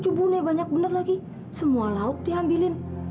ucubune banyak bener lagi semua lauk diambilin